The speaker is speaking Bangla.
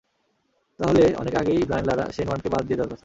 তাহলে অনেক আগেই ব্রায়ান লারা, শেন ওয়ার্নকে বাদ দিয়ে দেওয়ার কথা।